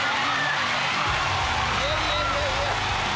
いやいやいや。